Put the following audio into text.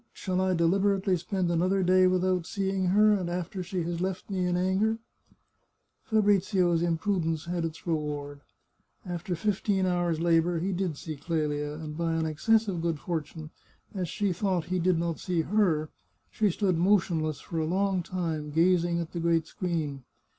shall I deliberately spend another day without seeing her, and after she has left me in anger ?" Fabrizio's imprudence had its reward; after fifteen hours' labour he did see Qelia, and, by an excess of good fortune, as she thought he did not see her, she stood motionless for a long time, gazing at the great screen.